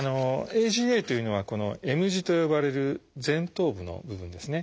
ＡＧＡというのはこのＭ字と呼ばれる前頭部の部分ですね。